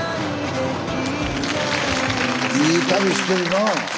いい旅してるな。